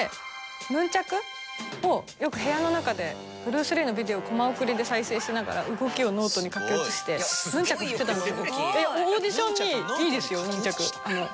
ヌンチャクをよく部屋の中でブルース・リーのビデオをコマ送りで再生しながら動きをノートに書き写してヌンチャク振ってたんですよ。